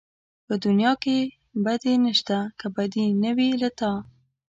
په دنيا کې بدي نشته که بدي نه وي له تا